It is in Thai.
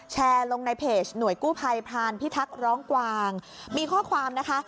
แชร์ลงในเพจหน่วยกู้ภัยพรานพิทักษ์ร้องกวางมีข้อความนะคะ